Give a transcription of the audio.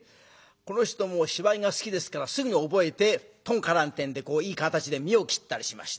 この人もう芝居が好きですからすぐに覚えてトンカランってんでいい形で見得を切ったりしまして。